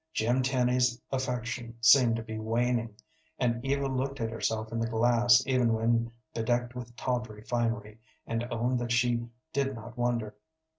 Jim Tenny's affection seemed to be waning, and Eva looked at herself in the glass even when bedecked with tawdry finery, and owned that she did not wonder.